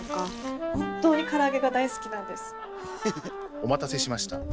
お待たせしました。